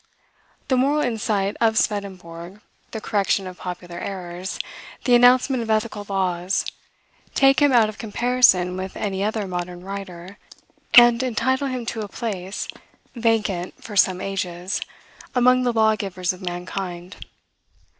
The moral insight of Swedenborg, the correction of popular errors, the announcement of ethical laws, take him out of comparison with any other modern writer, and entitle him to a place, vacant for some ages, among the lawgivers of mankind.